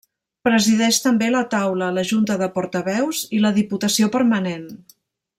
Presideix també, la Taula, la Junta de Portaveus i la Diputació Permanent.